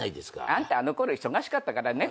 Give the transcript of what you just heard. あんた忙しかったからね